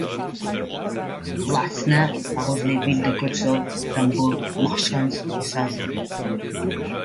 La Tsna arrose les villes de Kotovsk, Tambov, Morchansk et Sassovo.